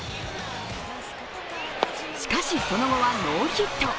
しかし、その後はノーヒット。